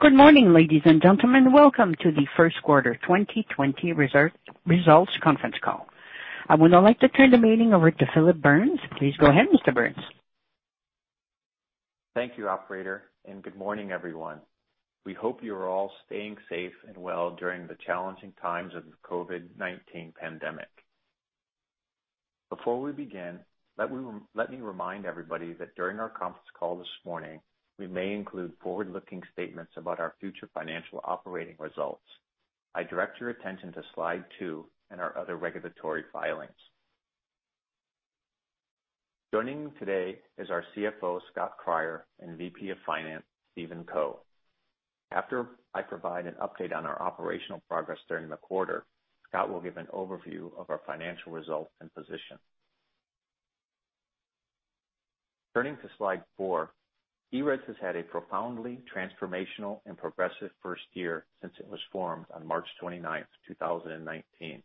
Good morning, ladies and gentlemen. Welcome to the Q1 2020 results conference call. I would now like to turn the meeting over to Phillip Burns. Please go ahead, Mr. Burns. Thank you, operator. Good morning, everyone. We hope you are all staying safe and well during the challenging times of the COVID-19 pandemic. Before we begin, let me remind everybody that during our conference call this morning, we may include forward-looking statements about our future financial operating results. I direct your attention to slide two and our other regulatory filings. Joining me today is our CFO, Scott Cryer, and VP of Finance, Stephen Coe. After I provide an update on our operational progress during the quarter, Scott will give an overview of our financial results and position. Turning to slide four, ERES has had a profoundly transformational and progressive first year since it was formed on March 29th, 2019.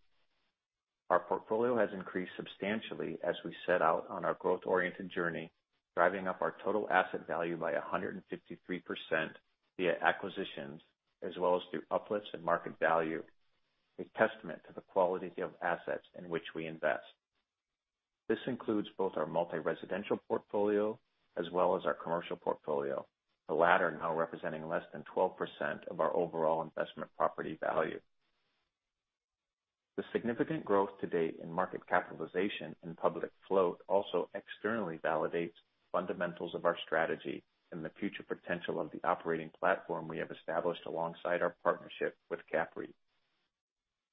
Our portfolio has increased substantially as we set out on our growth-oriented journey, driving up our total asset value by 153% via acquisitions as well as through uplifts in market value, a testament to the quality of assets in which we invest. This includes both our multi-residential portfolio as well as our commercial portfolio, the latter now representing less than 12% of our overall investment property value. The significant growth to-date in market capitalization and public float also externally validates the fundamentals of our strategy and the future potential of the operating platform we have established alongside our partnership with CAPREIT.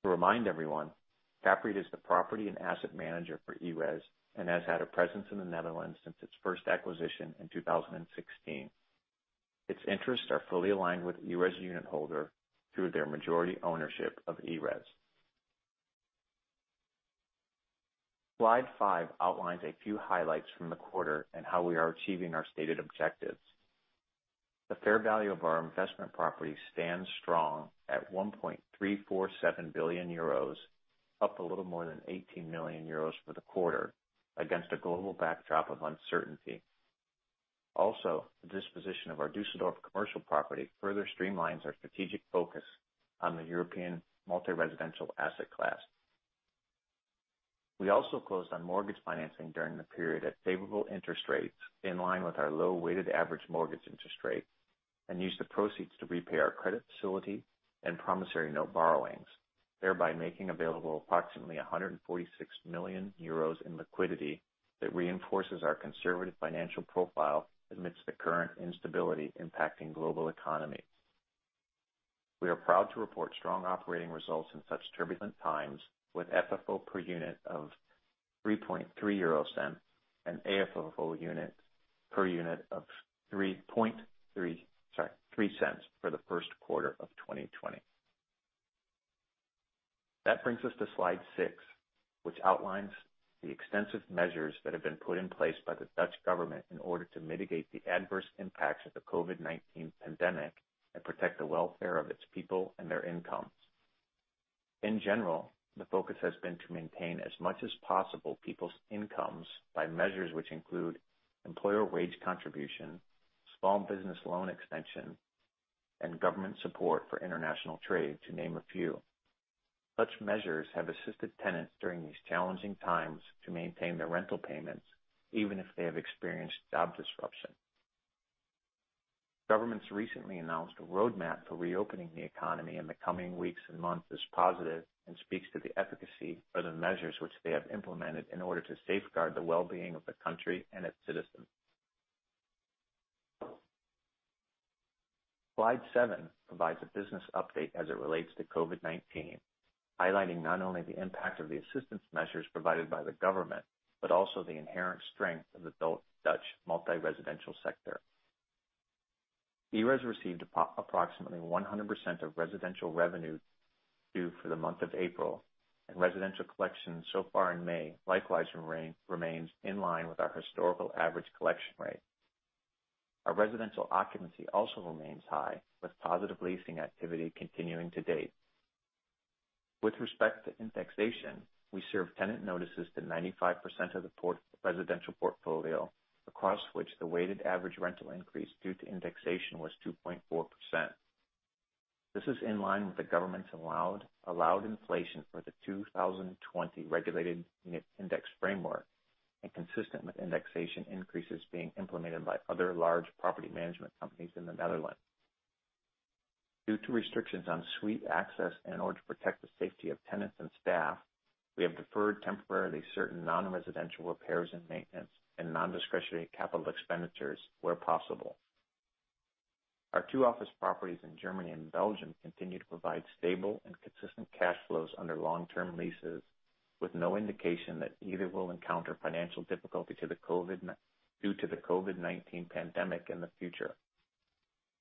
To remind everyone, CAPREIT is the property and asset manager for ERES and has had a presence in the Netherlands since its first acquisition in 2016. Its interests are fully aligned with ERES's unitholder through their majority ownership of ERES. Slide five outlines a few highlights from the quarter and how we are achieving our stated objectives. The fair value of our investment property stands strong at 1.347 billion euros, up a little more than 18 million euros for the quarter against a global backdrop of uncertainty. Also, the disposition of our Düsseldorf commercial property further streamlines our strategic focus on the European multi-residential asset class. We also closed on mortgage financing during the period at favorable interest rates in line with our low weighted average mortgage interest rate and used the proceeds to repay our credit facility and promissory note borrowings, thereby making available approximately 146 million euros in liquidity that reinforces our conservative financial profile amidst the current instability impacting global economy. We are proud to report strong operating results in such turbulent times with FFO per unit of 0.033 and AFFO per unit of 0.03 for the Q1 of 2020. That brings us to slide six, which outlines the extensive measures that have been put in place by the Dutch government in order to mitigate the adverse impacts of the COVID-19 pandemic and protect the welfare of its people and their incomes. In general, the focus has been to maintain as much as possible people's incomes by measures which include employer wage contribution, small business loan extension, and government support for international trade, to name a few. Such measures have assisted tenants during these challenging times to maintain their rental payments, even if they have experienced job disruption. Government's recently announced a roadmap for reopening the economy in the coming weeks and months is positive and speaks to the efficacy of the measures which they have implemented in order to safeguard the well-being of the country and its citizens. Slide seven provides a business update as it relates to COVID-19, highlighting not only the impact of the assistance measures provided by the government, but also the inherent strength of the Dutch multi-residential sector. ERES received approximately 100% of residential revenue due for the month of April. Residential collections so far in May likewise remains in line with our historical average collection rate. Our residential occupancy also remains high, with positive leasing activity continuing to-date. With respect to indexation, we served tenant notices to 95% of the residential portfolio, across which the weighted average rental increase due to indexation was 2.4%. This is in line with the government's allowed inflation for the 2020 regulated unit index framework and consistent with indexation increases being implemented by other large property management companies in the Netherlands. Due to restrictions on suite access and in order to protect the safety of tenants and staff, we have deferred temporarily certain non-residential repairs and maintenance and non-discretionary capital expenditures where possible. Our two office properties in Germany and Belgium continue to provide stable and consistent cash flows under long-term leases, with no indication that either will encounter financial difficulty due to the COVID-19 pandemic in the future.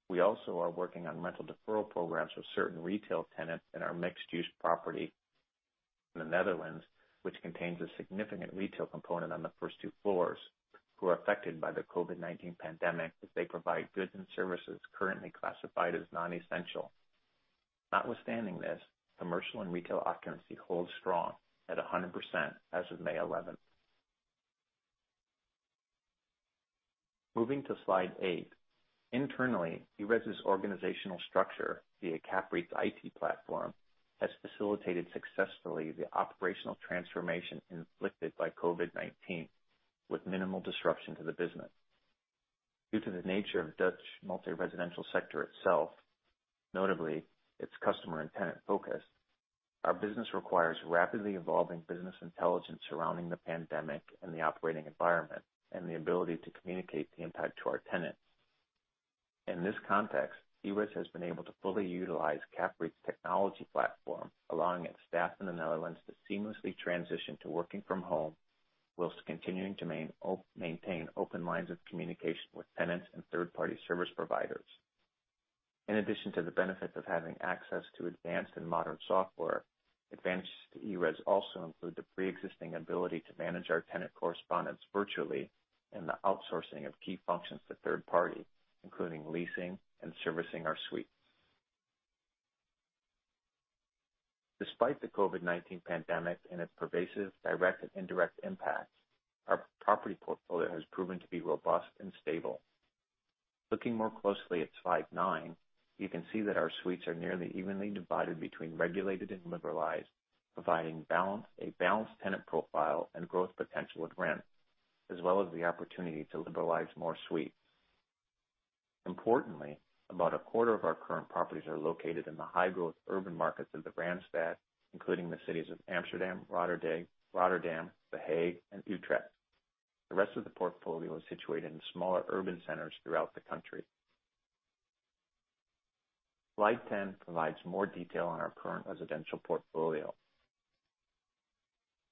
We also are working on rental deferral programs with certain retail tenants in our mixed-use property in the Netherlands, which contains a significant retail component on the first two floors, who are affected by the COVID-19 pandemic as they provide goods and services currently classified as non-essential. Notwithstanding this, commercial and retail occupancy holds strong at 100% as of May 11th. Moving to slide eight. Internally, ERES's organizational structure via CAPREIT's IT platform has facilitated successfully the operational transformation inflicted by COVID-19 with minimal disruption to the business. Due to the nature of Dutch multi-residential sector itself, notably its customer and tenant focus, our business requires rapidly evolving business intelligence surrounding the pandemic and the operating environment, and the ability to communicate the impact to our tenants. In this context, ERES has been able to fully utilize CAPREIT's technology platform, allowing its staff in the Netherlands to seamlessly transition to working from home whilst continuing to maintain open lines of communication with tenants and third-party service providers. In addition to the benefits of having access to advanced and modern software, advantages to ERES also include the pre-existing ability to manage our tenant correspondence virtually and the outsourcing of key functions to third-party, including leasing and servicing our suite. Despite the COVID-19 pandemic and its pervasive direct and indirect impacts, our property portfolio has proven to be robust and stable. Looking more closely at slide nine, you can see that our suites are nearly evenly divided between regulated and liberalized, providing a balanced tenant profile and growth potential with rent, as well as the opportunity to liberalize more suites. Importantly, about a quarter of our current properties are located in the high-growth urban markets of the Randstad, including the cities of Amsterdam, Rotterdam, The Hague, and Utrecht. The rest of the portfolio is situated in smaller urban centers throughout the country. Slide 10 provides more detail on our current residential portfolio.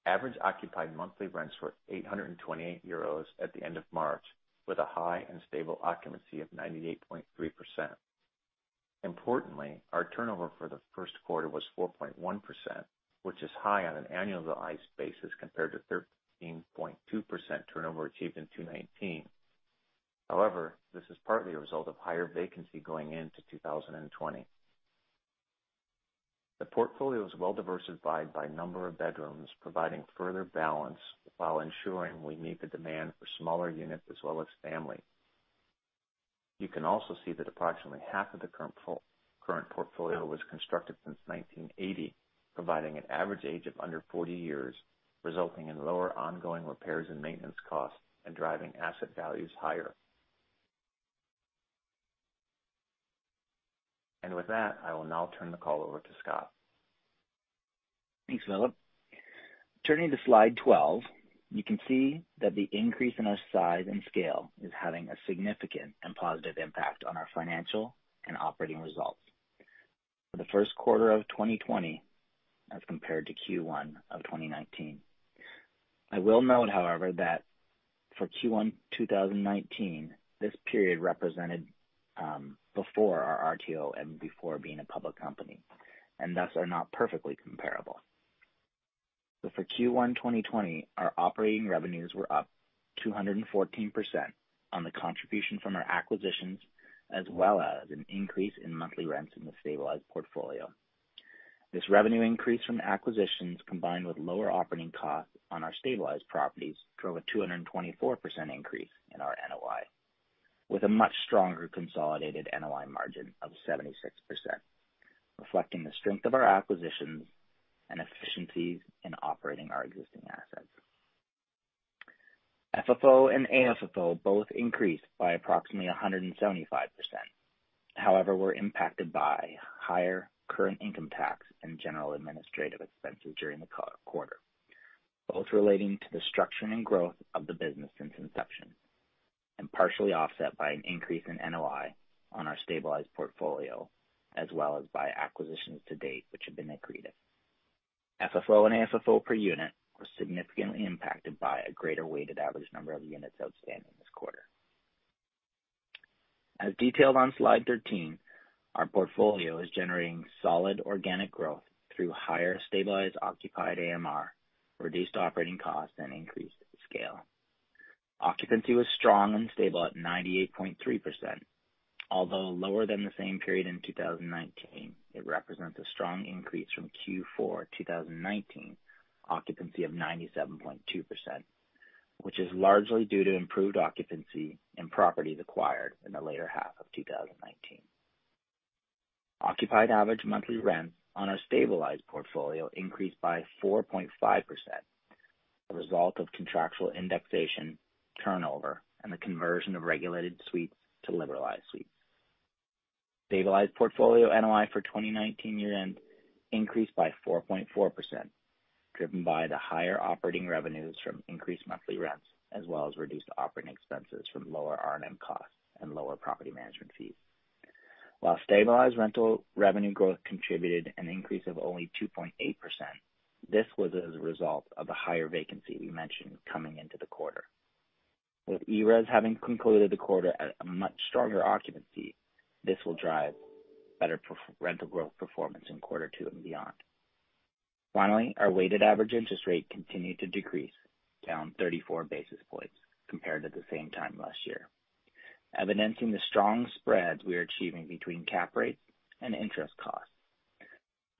Average occupied monthly rents were 828 euros at the end of March, with a high and stable occupancy of 98.3%. Our turnover for the Q1 was 4.1%, which is high on an annualized basis compared to 13.2% turnover achieved in 2019. This is partly a result of higher vacancy going into 2020. The portfolio is well diversified by number of bedrooms, providing further balance while ensuring we meet the demand for smaller units as well as family. You can also see that approximately half of the current portfolio was constructed since 1980, providing an average age of under 40 years, resulting in lower ongoing repairs and maintenance costs and driving asset values higher. With that, I will now turn the call over to Scott. Thanks, Phillip. Turning to slide 12, you can see that the increase in our size and scale is having a significant and positive impact on our financial and operating results for the Q1 of 2020 as compared to Q1 of 2019. I will note, however, that for Q1 2019, this period represented before our RTO and before being a public company, and thus are not perfectly comparable. For Q1 2020, our operating revenues were up 214% on the contribution from our acquisitions, as well as an increase in monthly rents in the stabilized portfolio. This revenue increase from acquisitions, combined with lower operating costs on our stabilized properties, drove a 224% increase in our NOI, with a much stronger consolidated NOI margin of 76%, reflecting the strength of our acquisitions and efficiencies in operating our existing assets. FFO and AFFO both increased by approximately 175%, however, were impacted by higher current income tax and general administrative expenses during the quarter, both relating to the structuring and growth of the business since inception, and partially offset by an increase in NOI on our stabilized portfolio, as well as by acquisitions to-date which have been accretive. FFO and AFFO per unit were significantly impacted by a greater weighted average number of units outstanding this quarter. As detailed on slide 13, our portfolio is generating solid organic growth through higher stabilized occupied AMR, reduced operating costs and increased scale. Occupancy was strong and stable at 98.3%. Although lower than the same period in 2019, it represents a strong increase from Q4 2019 occupancy of 97.2%, which is largely due to improved occupancy in properties acquired in the latter half of 2019. Occupied average monthly rent on our stabilized portfolio increased by 4.5%, a result of contractual indexation turnover and the conversion of regulated suites to liberalized suites. Stabilized portfolio NOI for 2019 year-end increased by 4.4%, driven by the higher operating revenues from increased monthly rents, as well as reduced operating expenses from lower R&M costs and lower property management fees. While stabilized rental revenue growth contributed an increase of only 2.8%, this was as a result of the higher vacancy we mentioned coming into the quarter. With ERES having concluded the quarter at a much stronger occupancy, this will drive better rental growth performance in Q2 and beyond. Finally, our weighted average interest rate continued to decrease, down 34 basis points compared to the same time last year, evidencing the strong spreads we are achieving between cap rate and interest costs.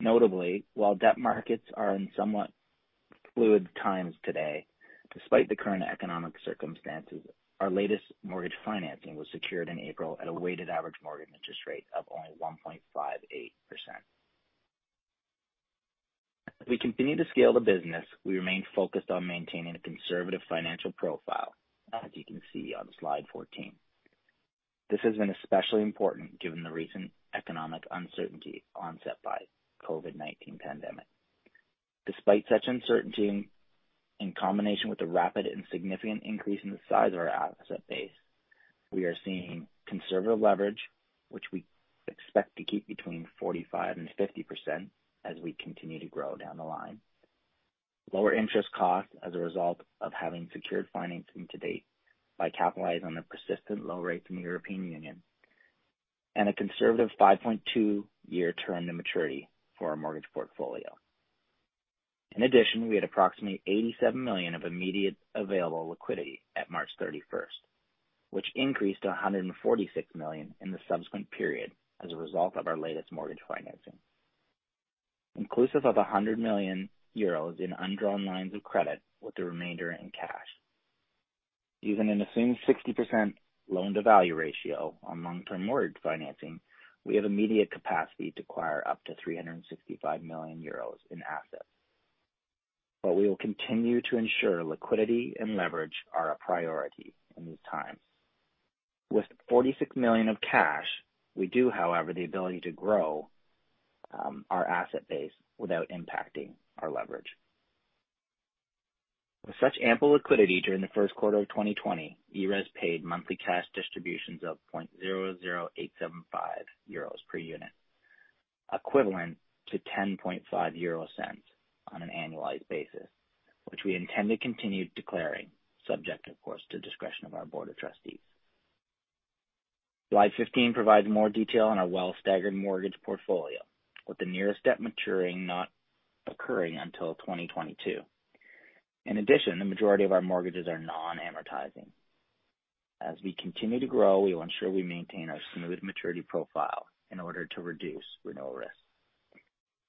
Notably, while debt markets are in somewhat fluid times today, despite the current economic circumstances, our latest mortgage financing was secured in April at a weighted average mortgage interest rate of only 1.58%. As we continue to scale the business, we remain focused on maintaining a conservative financial profile, as you can see on slide 14. This has been especially important given the recent economic uncertainty onset by COVID-19 pandemic. Despite such uncertainty, in combination with the rapid and significant increase in the size of our asset base, we are seeing conservative leverage, which we expect to keep between 45% and 50% as we continue to grow down the line. Lower interest costs as a result of having secured financing to date by capitalizing on the persistent low rates in the European Union, and a conservative 5.2-year term to maturity for our mortgage portfolio. In addition, we had approximately EUR 87 million of immediate available liquidity at March 31st, which increased to EUR 146 million in the subsequent period as a result of our latest mortgage financing, inclusive of 100 million euros in undrawn lines of credit with the remainder in cash. Even in assumed 60% loan-to-value ratio on long-term mortgage financing, we have immediate capacity to acquire up to 365 million euros in assets. We will continue to ensure liquidity and leverage are a priority in these times. With 46 million of cash, we do, however, the ability to grow our asset base without impacting our leverage. With such ample liquidity during the Q1 of 2020, ERES paid monthly cash distributions of 0.00875 euros per unit, equivalent to 0.105 on an annualized basis, which we intend to continue declaring, subject of course to discretion of our board of trustees. Slide 15 provides more detail on our well-staggered mortgage portfolio, with the nearest debt maturing not occurring until 2022. In addition, the majority of our mortgages are non-amortizing. As we continue to grow, we will ensure we maintain our smooth maturity profile in order to reduce renewal risk.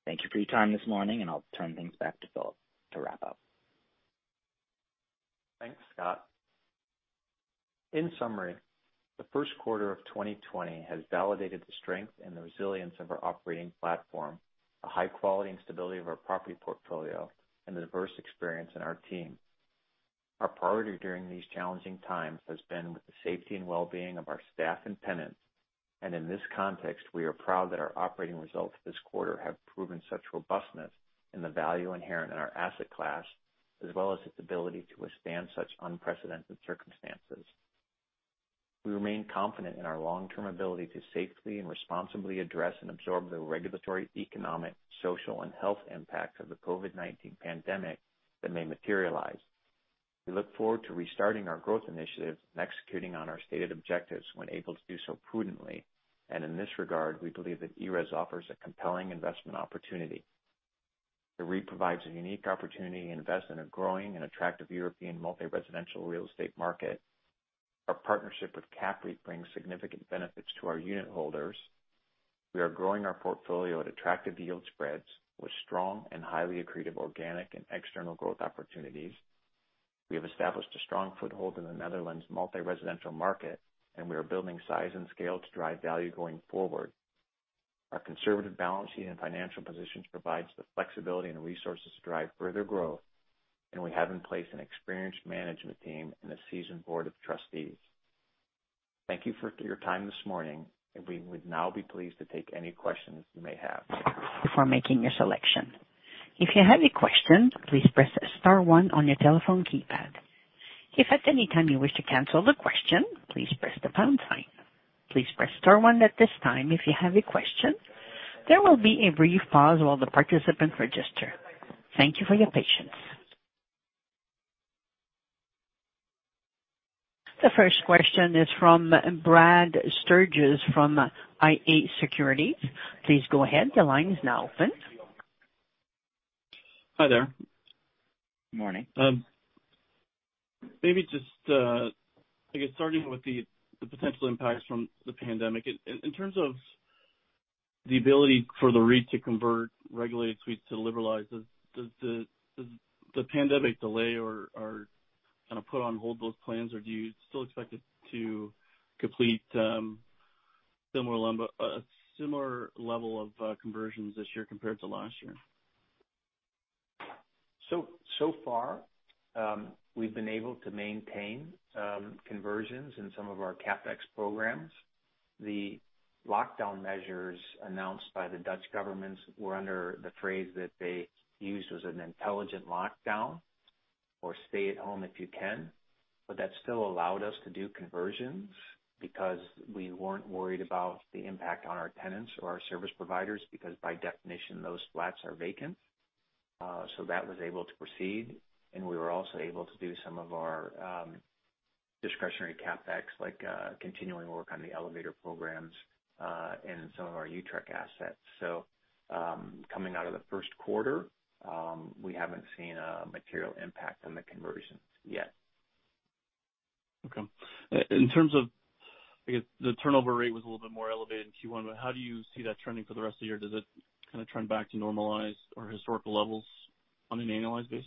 Thank you for your time this morning, and I'll turn things back to Phillip to wrap up. Thanks, Scott. In summary, the Q1 of 2020 has validated the strength and the resilience of our operating platform, the high quality and stability of our property portfolio, and the diverse experience in our team. Our priority during these challenging times has been with the safety and wellbeing of our staff and tenants. In this context, we are proud that our operating results this quarter have proven such robustness in the value inherent in our asset class, as well as its ability to withstand such unprecedented circumstances. We remain confident in our long-term ability to safely and responsibly address and absorb the regulatory, economic, social, and health impact of the COVID-19 pandemic that may materialize. We look forward to restarting our growth initiatives and executing on our stated objectives when able to do so prudently. In this regard, we believe that ERES offers a compelling investment opportunity. The REIT provides a unique opportunity to invest in a growing and attractive European multi-residential real estate market. Our partnership with CAPREIT brings significant benefits to our unit holders. We are growing our portfolio at attractive yield spreads with strong and highly accretive organic and external growth opportunities. We have established a strong foothold in the Netherlands multi-residential market, and we are building size and scale to drive value going forward. Our conservative balance sheet and financial positions provides the flexibility and resources to drive further growth, and we have in place an experienced management team and a seasoned board of trustees. Thank you for your time this morning, and we would now be pleased to take any questions you may have. Before making your selection. If you have a question, please press star one on your telephone keypad. If at any time you wish to cancel the question, please press the pound sign. Please press star one at this time if you have a question. There will be a brief pause while the participants register. Thank you for your patience. The first question is from Brad Sturges from iA Securities. Please go ahead. The line is now open. Hi there. Morning. Maybe just, I guess, starting with the potential impacts from the pandemic. In terms of the ability for the REIT to convert regulated suites to liberalized, does the pandemic delay or kind of put on hold those plans? Do you still expect it to complete a similar level of conversions this year compared to last year? So far, we've been able to maintain conversions in some of our CapEx programs. The lockdown measures announced by the Dutch governments were under the phrase that they used was an intelligent lockdown or stay at home if you can. That still allowed us to do conversions because we weren't worried about the impact on our tenants or our service providers, because by definition, those flats are vacant. That was able to proceed, and we were also able to do some of our discretionary CapEx, like continuing work on the elevator programs, and some of our Utrecht assets. Coming out of the Q1, we haven't seen a material impact on the conversions yet. Okay. In terms of, I guess, the turnover rate was a little bit more elevated in Q1, but how do you see that trending for the rest of the year? Does it kind of trend back to normalized or historical levels on an annualized basis?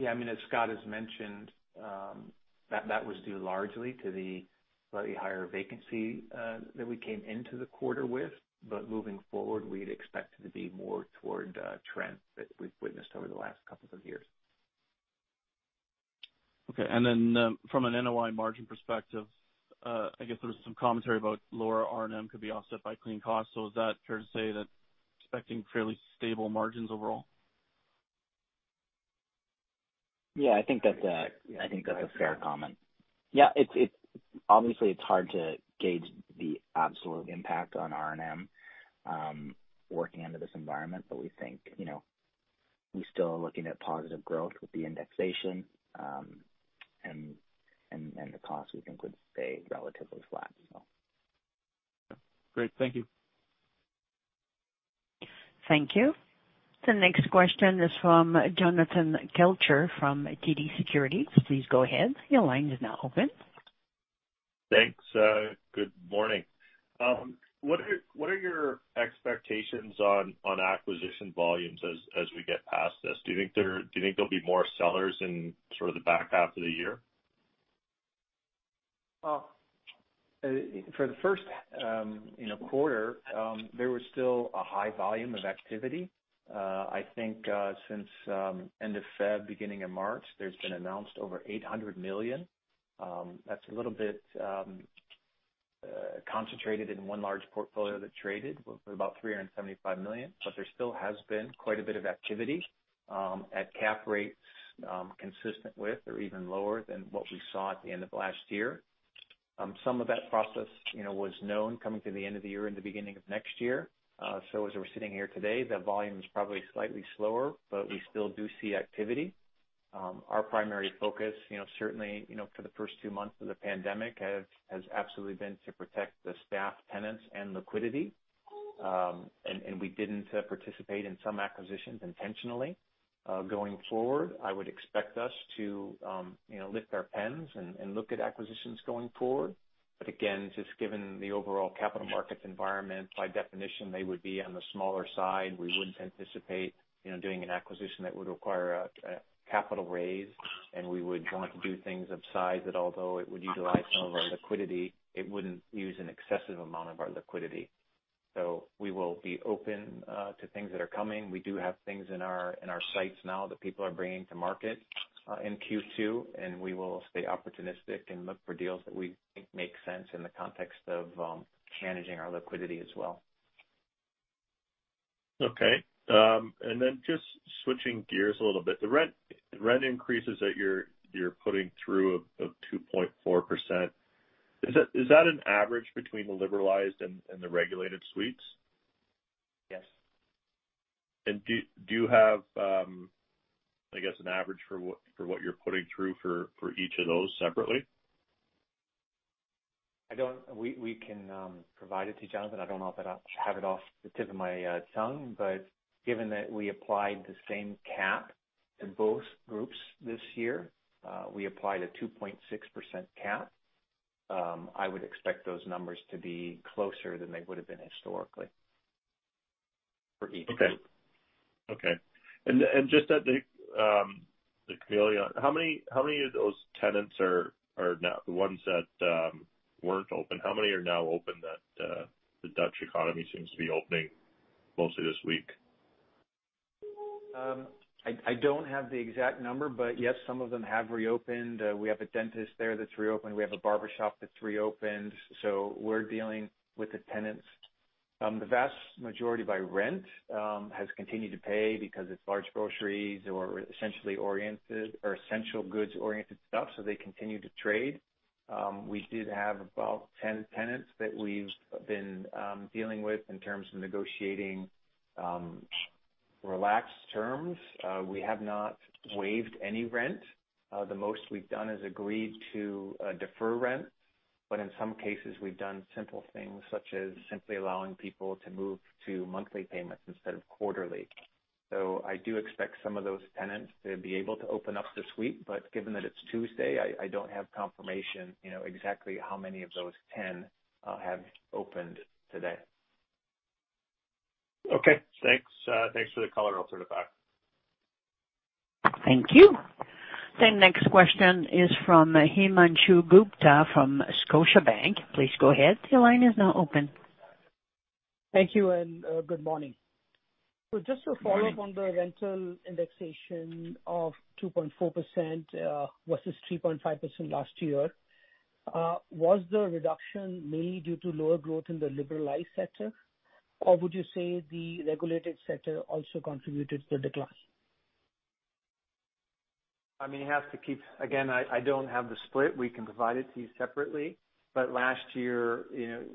Yeah, as Scott has mentioned, that was due largely to the slightly higher vacancy that we came into the quarter with. Moving forward, we'd expect it to be more toward trends that we've witnessed over the last couple of years. Okay. Then from an NOI margin perspective, I guess there was some commentary about lower R&M could be offset by clean costs. Is that fair to say that expecting fairly stable margins overall? Yeah, I think that's a fair comment. Obviously it's hard to gauge the absolute impact on R&M working under this environment. We're still looking at positive growth with the indexation, and the cost we think would stay relatively flat. Great. Thank you. Thank you. The next question is from Jonathan Kelcher from TD Securities. Please go ahead. Your line is now open. Thanks. Good morning. What are your expectations on acquisition volumes as we get past this? Do you think there will be more sellers in sort of the back half of the year? For the Q1, there was still a high volume of activity. I think, since end of February, beginning of March, there's been announced over 800 million. That's a little bit concentrated in one large portfolio that traded for about 375 million. There still has been quite a bit of activity, at cap rates consistent with or even lower than what we saw at the end of last year. Some of that process was known coming to the end of the year and the beginning of next year. As we're sitting here today, the volume is probably slightly slower, but we still do see activity. Our primary focus, certainly, for the first two months of the pandemic, has absolutely been to protect the staff, tenants, and liquidity. We didn't participate in some acquisitions intentionally. Going forward, I would expect us to lift our pens and look at acquisitions going forward. Again, just given the overall capital markets environment, by definition, they would be on the smaller side. We wouldn't anticipate doing an acquisition that would require a capital raise, and we would want to do things of size that although it would utilize some of our liquidity, it wouldn't use an excessive amount of our liquidity. We will be open to things that are coming. We do have things in our sights now that people are bringing to market in Q2, and we will stay opportunistic and look for deals that we think make sense in the context of managing our liquidity as well. Okay. Just switching gears a little bit, the rent increases that you're putting through of 2.4%, is that an average between the liberalized and the regulated suites? Yes. Do you have, I guess, an average for what you're putting through for each of those separately? We can provide it to you, Jonathan. I don't know if have it off the tip of my tongue, given that we applied the same cap to both groups this year. We applied a 2.6% cap. I would expect those numbers to be closer than they would've been historically for each group. Just at the, just curious, how many of those tenants are now the ones that weren't open? How many are now open that the Dutch economy seems to be opening mostly this week? I don't have the exact number, but yes, some of them have reopened. We have a dentist there that's reopened. We have a barbershop that's reopened. We're dealing with the tenants. The vast majority by rent, has continued to pay because it's large groceries or essentially oriented or essential goods-oriented stuff, so they continue to trade. We did have about 10 tenants that we've been dealing with in terms of negotiating relaxed terms. We have not waived any rent. The most we've done is agreed to defer rent, but in some cases, we've done simple things, such as simply allowing people to move to monthly payments instead of quarterly. I do expect some of those tenants to be able to open up this week, but given that it's Tuesday, I don't have confirmation exactly how many of those 10 have opened today. Okay, thanks. Thanks for the color. I'll turn it back. Thank you. The next question is from Himanshu Gupta from Scotiabank. Please go ahead. Your line is now open. Thank you, and good morning. Just a follow-up on the rental indexation of 2.4% versus 3.5% last year. Was the reduction mainly due to lower growth in the liberalized sector, or would you say the regulated sector also contributed to the decline? Again, I don't have the split. We can provide it to you separately. Last year,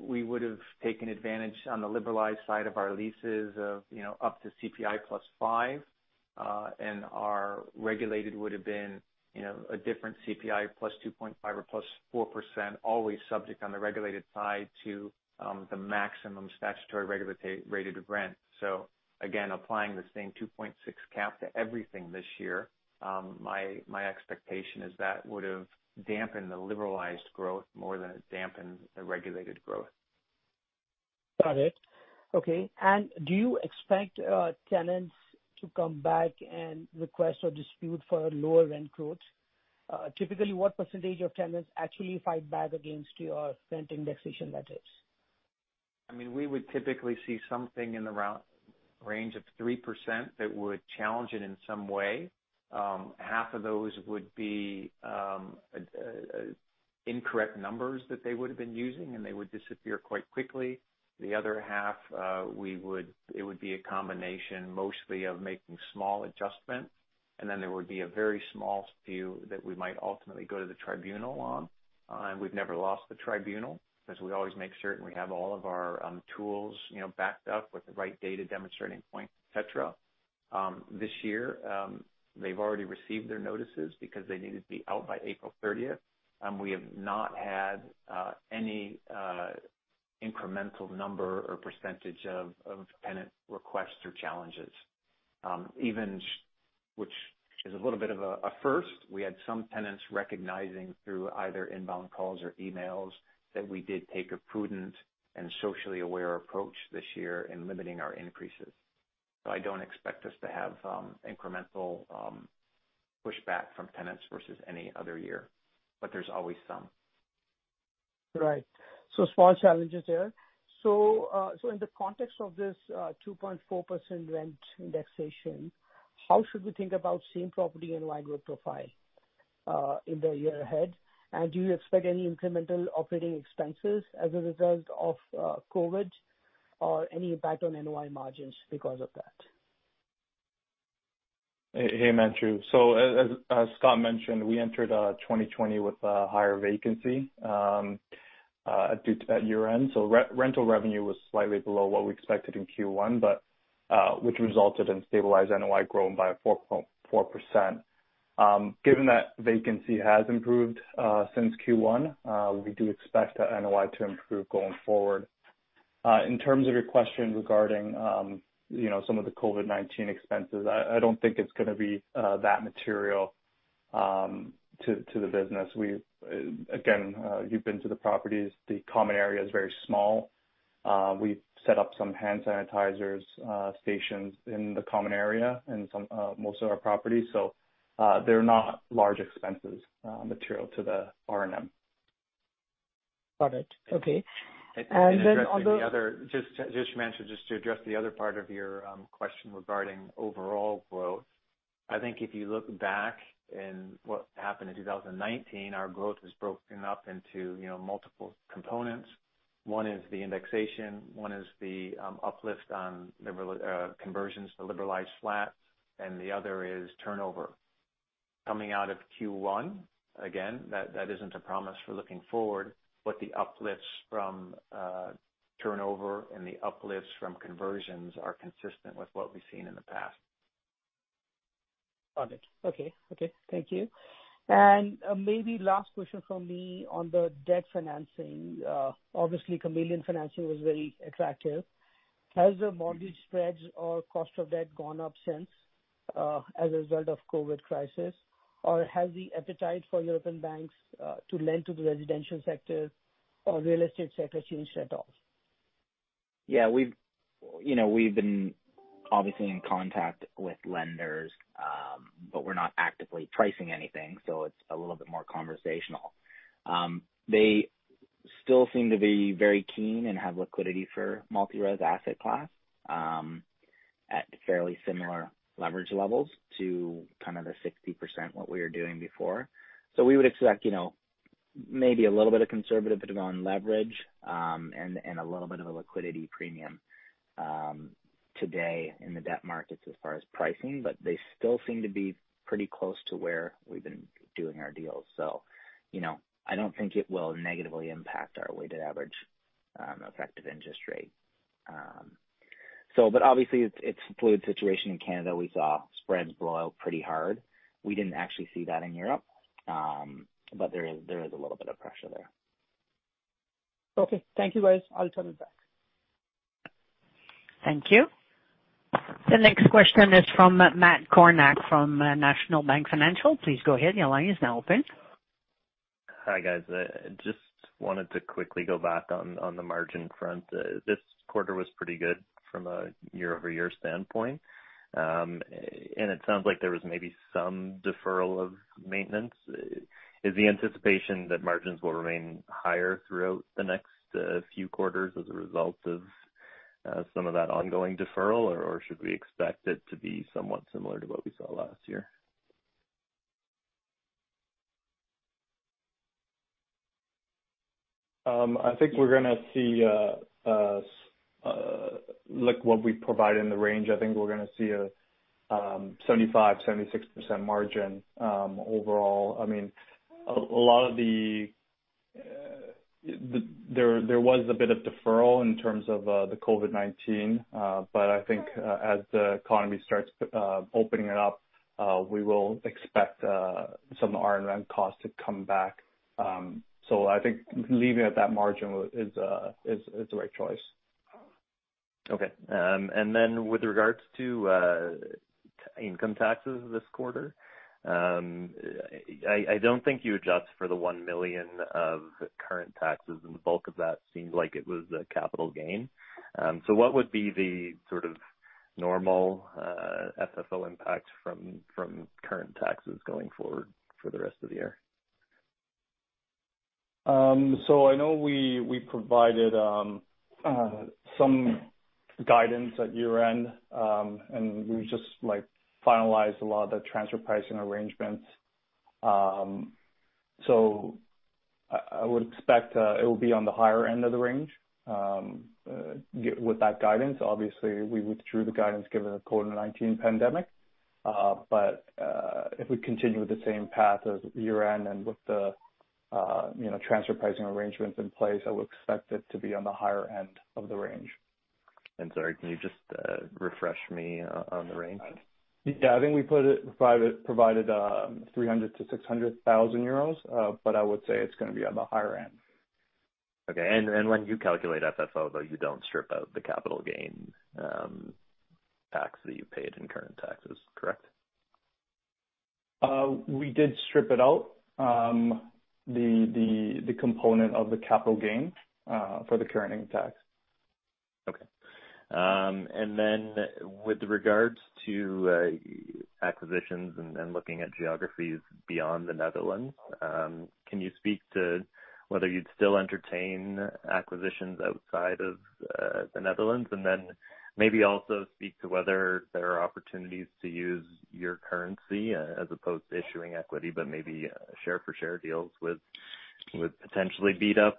we would've taken advantage on the liberalized side of our leases of up to CPI +5%. Our regulated would've been a different CPI +2.5% or +4%, always subject on the regulated side to the maximum statutory regulated rate of rent. Again, applying the same 2.6% cap to everything this year, my expectation is that would've dampened the liberalized growth more than it dampened the regulated growth. Got it. Okay. Do you expect tenants to come back and request or dispute for lower rent growth? Typically, what percentage of tenants actually fight back against your rent indexation methods? We would typically see something in the range of 3% that would challenge it in some way. Half of those would be incorrect numbers that they would've been using, and they would disappear quite quickly. The other half, it would be a combination mostly of making small adjustments, and then there would be a very small few that we might ultimately go to the tribunal on. We've never lost a tribunal, because we always make certain we have all of our tools backed up with the right data demonstrating points, et cetera. This year, they've already received their notices because they needed to be out by April 30th. We have not had any incremental number or percentage of tenant requests or challenges. Which is a little bit of a first. We had some tenants recognizing through either inbound calls or emails that we did take a prudent and socially aware approach this year in limiting our increases. I don't expect us to have incremental pushback from tenants versus any other year. There's always some. Right. Small challenges there. In the context of this 2.4% rent indexation, how should we think about same property NOI growth profile in the year ahead? Do you expect any incremental operating expenses as a result of COVID or any impact on NOI margins because of that? Hey, Himanshu. As Scott mentioned, we entered 2020 with a higher vacancy at year-end, rental revenue was slightly below what we expected in Q1, which resulted in stabilized NOI growing by 4.4%. Vacancy has improved since Q1, we do expect the NOI to improve going forward. Your question regarding some of the COVID-19 expenses, I don't think it's going to be that material to the business. You've been to the properties. The common area is very small. We've set up some hand sanitizers stations in the common area in most of our properties. They're not large expenses material to the R&M. Got it. Okay. Just to mention, just to address the other part of your question regarding overall growth. I think if you look back in what happened in 2019, our growth is broken up into multiple components. One is the indexation, one is the uplift on conversions to liberalized flats, and the other is turnover. Coming out of Q1, again, that isn't a promise for looking forward, but the uplifts from turnover and the uplifts from conversions are consistent with what we've seen in the past. Got it. Okay. Thank you. Maybe last question from me on the debt financing. Obviously, mezzanine financing was very attractive. Has the mortgage spreads or cost of debt gone up since, as a result of COVID crisis? Has the appetite for European banks to lend to the residential sector or real estate sector changed at all? Yeah. We've been obviously in contact with lenders, but we're not actively pricing anything, so it's a little bit more conversational. They still seem to be very keen and have liquidity for multi-res asset class, at fairly similar leverage levels to kind of the 60% what we were doing before. We would expect maybe a little bit of conservative bit on leverage, and a little bit of a liquidity premium today in the debt markets as far as pricing. They still seem to be pretty close to where we've been doing our deals. I don't think it will negatively impact our weighted average effective interest rate. Obviously, it's a fluid situation in Canada. We saw spreads blow out pretty hard. We didn't actually see that in Europe. There is a little bit of pressure there. Okay. Thank you, guys. I'll turn it back. Thank you. The next question is from Matt Kornack from National Bank Financial. Please go ahead. Your line is now open. Hi, guys. Just wanted to quickly go back on the margin front. This quarter was pretty good from a year-over-year standpoint. It sounds like there was maybe some deferral of maintenance. Is the anticipation that margins will remain higher throughout the next few quarters as a result of some of that ongoing deferral, or should we expect it to be somewhat similar to what we saw last year? I think what we provide in the range, I think we're going to see a 75%-76% margin overall. There was a bit of deferral in terms of the COVID-19. I think as the economy starts opening up, we will expect some R&M costs to come back. I think leaving it at that margin is the right choice. With regards to income taxes this quarter, I don't think you adjust for the 1 million of current taxes, and the bulk of that seemed like it was a capital gain. What would be the sort of normal FFO impact from current taxes going forward for the rest of the year? I know we provided some guidance at year-end, and we just finalized a lot of the transfer pricing arrangements. I would expect it will be on the higher end of the range. With that guidance, obviously, we withdrew the guidance given the COVID-19 pandemic. If we continue with the same path as year-end and with the transfer pricing arrangements in place, I would expect it to be on the higher end of the range. Sorry, can you just refresh me on the range? Yeah, I think we provided 300,000-600,000 euros, but I would say it's going to be on the higher end. Okay. When you calculate FFO, though, you don't strip out the capital gain tax that you paid in current taxes, correct? We did strip it out, the component of the capital gain for the current income tax. Okay. With regards to acquisitions and looking at geographies beyond the Netherlands, can you speak to whether you'd still entertain acquisitions outside of the Netherlands? Maybe also speak to whether there are opportunities to use your currency as opposed to issuing equity, but maybe share-for-share deals with potentially beat-up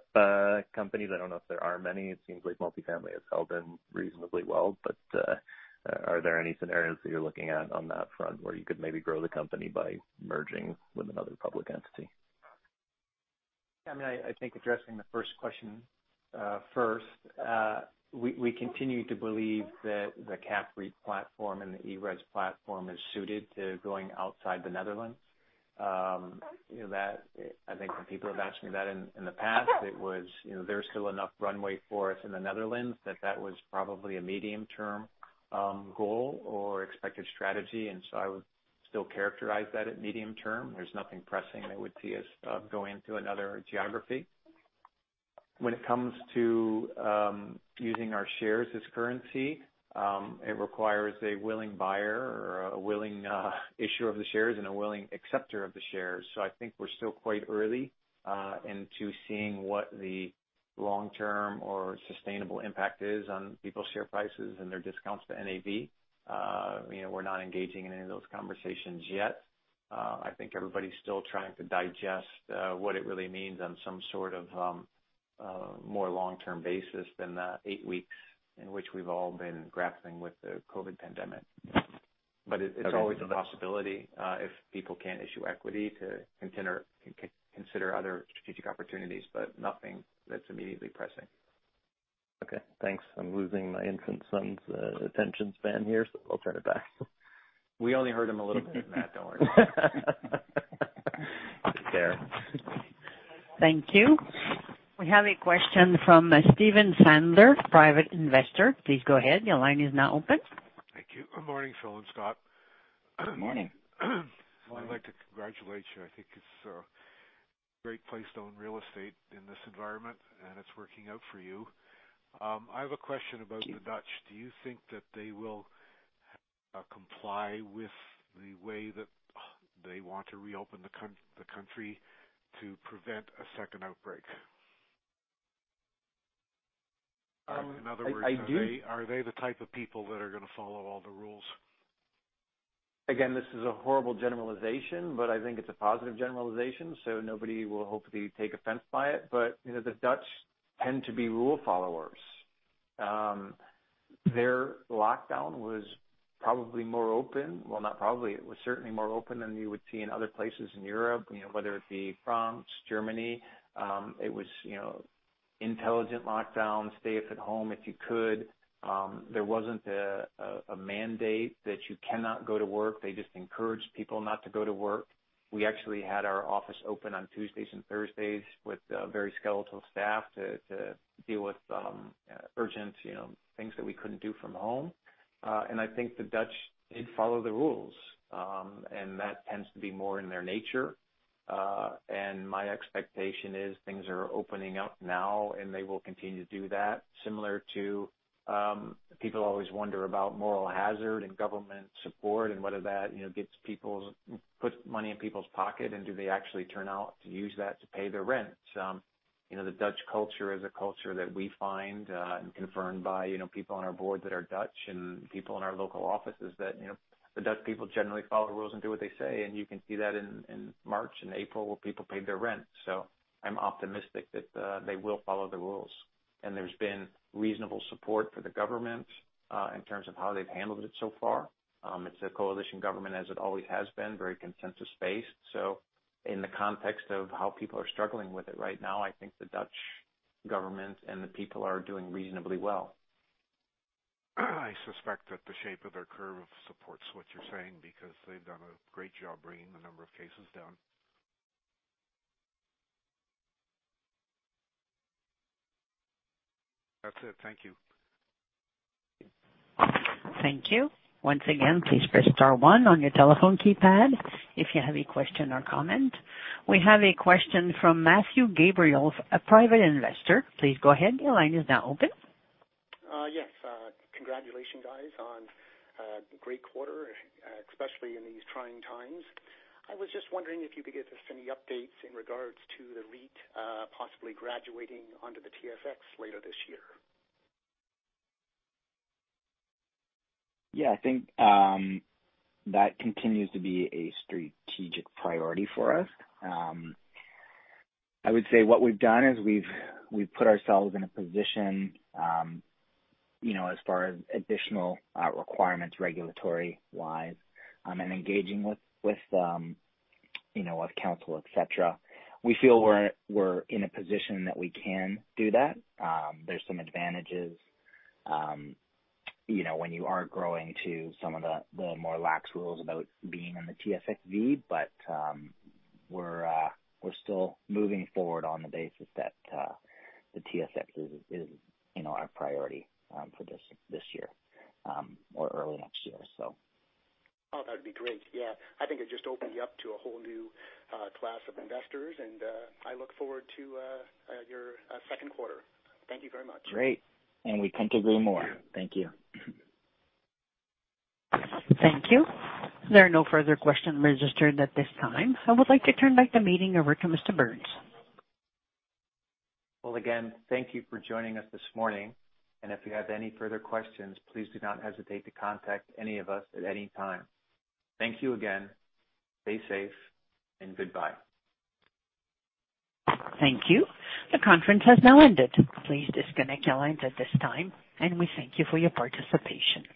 companies. I don't know if there are many. It seems like multifamily has held in reasonably well, are there any scenarios that you're looking at on that front where you could maybe grow the company by merging with another public entity? I think addressing the first question first, we continue to believe that the CAPREIT platform and the ERES platform is suited to going outside the Netherlands. I think when people have asked me that in the past, it was there's still enough runway for us in the Netherlands that that was probably a medium-term goal or expected strategy, I would still characterize that at medium-term. There's nothing pressing that would see us going to another geography. When it comes to using our shares as currency it requires a willing buyer or a willing issuer of the shares and a willing acceptor of the shares. I think we're still quite early into seeing what the long-term or sustainable impact is on people's share prices and their discounts to NAV. We're not engaging in any of those conversations yet. I think everybody's still trying to digest what it really means on some sort of more long-term basis than the eight weeks in which we've all been grappling with the COVID pandemic. It's always a possibility if people can't issue equity to consider other strategic opportunities, but nothing that's immediately pressing. Okay, thanks. I'm losing my infant son's attention span here, so I'll turn it back. We only heard him a little bit, Matt, don't worry. Fair. Thank you. We have a question from Steven Sandler, Private Investor. Please go ahead. Your line is now open. Thank you. Good morning, Phillip and Scott. Good morning. I'd like to congratulate you. I think it's a great place to own real estate in this environment, and it's working out for you. I have a question about the Dutch. Do you think that they will comply with the way that they want to reopen the country to prevent a second outbreak? I do- Are they the type of people that are going to follow all the rules? Again, this is a horrible generalization, I think it's a positive generalization, so nobody will hopefully take offense by it. The Dutch tend to be rule followers. Their lockdown was probably more open, well, not probably, it was certainly more open than you would see in other places in Europe, whether it be France, Germany. It was intelligent lockdown, stay at home if you could. There wasn't a mandate that you cannot go to work. They just encouraged people not to go to work. We actually had our office open on Tuesdays and Thursdays with a very skeletal staff to deal with urgent things that we couldn't do from home. I think the Dutch did follow the rules, and that tends to be more in their nature. My expectation is things are opening up now, and they will continue to do that. Similar to people always wonder about moral hazard and government support and whether that puts money in people's pocket, and do they actually turn out to use that to pay their rent. The Dutch culture is a culture that we find, and confirmed by people on our board that are Dutch and people in our local offices that the Dutch people generally follow the rules and do what they say, and you can see that in March and April where people paid their rent. I'm optimistic that they will follow the rules. There's been reasonable support for the government in terms of how they've handled it so far. It's a coalition government, as it always has been, very consensus-based. In the context of how people are struggling with it right now, I think the Dutch government and the people are doing reasonably well. I suspect that the shape of their curve supports what you're saying because they've done a great job bringing the number of cases down. That's it. Thank you. Thank you. Once again, please press star one on your telephone keypad if you have a question or comment. We have a question from Matthew Gabriel, a private investor. Please go ahead. Your line is now open. Yes. Congratulations, guys, on a great quarter, especially in these trying times. I was just wondering if you could give us any updates in regards to the REIT possibly graduating onto the TSX later this year. Yeah, I think that continues to be a strategic priority for us. I would say what we've done is we've put ourselves in a position as far as additional requirements, regulatory-wise, and engaging with counsel, et cetera. We feel we're in a position that we can do that. There's some advantages when you are growing to some of the more lax rules about being in the TSXV, but we're still moving forward on the basis that the TSX is our priority for this year or early next year. Oh, that'd be great. Yeah. I think it just opens you up to a whole new class of investors, and I look forward to your second quarter. Thank you very much. Great, we can't agree more. Thank you. Thank you. There are no further questions registered at this time. I would like to turn back the meeting over to Mr. Burns. Well, again, thank you for joining us this morning, and if you have any further questions, please do not hesitate to contact any of us at any time. Thank you again. Stay safe, and goodbye. Thank you. The conference has now ended. Please disconnect your lines at this time, and we thank you for your participation.